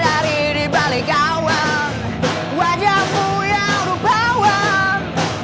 tidak dari dibalik awan wajahmu yang lupa wan